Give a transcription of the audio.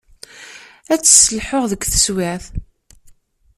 Ad tt-sselḥuɣ deg teswiεt.